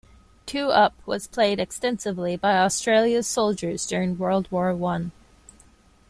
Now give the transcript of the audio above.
Two-up was played extensively by Australia's soldiers during World War One.